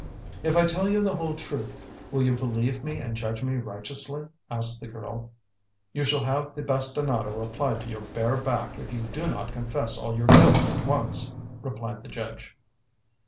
"If I tell you the whole truth, will you believe me and judge me righteously?" asked the girl. "You shall have the bastinado applied to your bare back if you do not confess all your guilt at once," replied the judge.